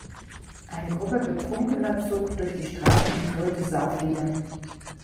Eine Gruppe Betrunkener zog durch die Straßen und grölte Sauflieder.